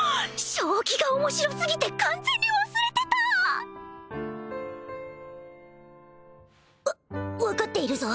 将棋が面白すぎて完全に忘れてた！わ分かっているぞ